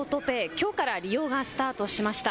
きょうから利用がスタートしました。